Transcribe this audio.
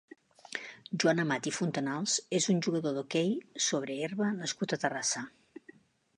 Joan Amat i Fontanals és un jugador d'hoquei sobre herba nascut a Terrassa.